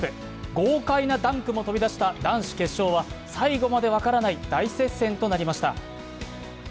豪快なダンクも飛び出した男子決勝は最後まで分からない大接戦となりました。